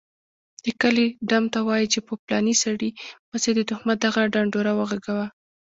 دکلي ډم ته وايي چي په پلاني سړي پسي دتهمت دغه ډنډوره وغږوه